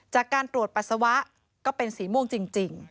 จากการตรวจปัสสาวะก็เป็นสีม่วงจริง